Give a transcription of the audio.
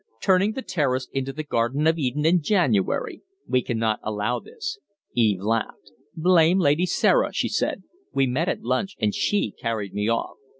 "Turning the Terrace into the Garden of Eden in January! We cannot allow this." Eve laughed. "Blame Lady Sarah!" she said. "We met at lunch, and she carried me off.